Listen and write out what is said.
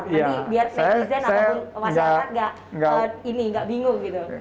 nanti biar netizen atau masyarakat nggak bingung gitu